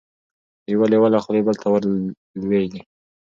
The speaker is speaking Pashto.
د یوه لېوه له خولې بل ته ور لوېږي